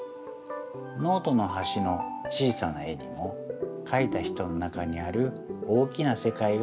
ノートのはしの小さな絵にもかいた人の中にある大きなせかいがつまっています。